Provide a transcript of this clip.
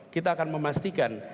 kita akan memastikan